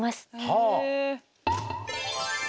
へえ。